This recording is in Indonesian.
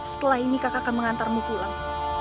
setelah ini kakak akan mengantarmu pulang